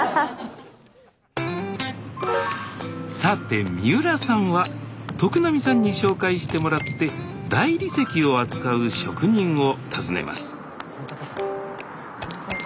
さて三浦さんは徳並さんに紹介してもらって大理石を扱う職人を訪ねますすいません。